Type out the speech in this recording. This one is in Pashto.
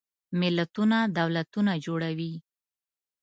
ملتونه دولتونه جوړوي.